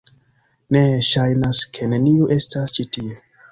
Ne, ŝajnas ke neniu estas ĉi tie.